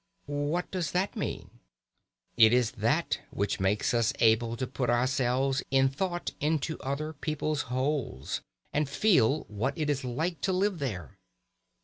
"What does that mean?" "It is that which makes us able to put ourselves in thought into other people's holes, and feel what it is like to live there.